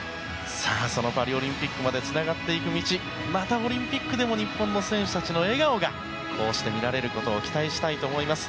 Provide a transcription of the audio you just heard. そのパリオリンピックまでつながっていく道またオリンピックでも日本の選手たちの笑顔がこうして見られることを期待したいと思います。